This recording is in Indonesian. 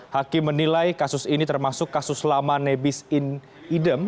hakim menilai kasus ini termasuk kasus lama nebis idem